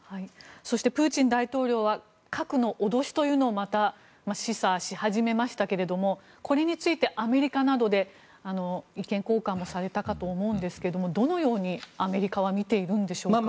そしてプーチン大統領は核の脅しというのをまた示唆し始めましたけどもこれについてアメリカなどで意見交換もされたかと思うんですがどのようにアメリカは見ているんでしょうか。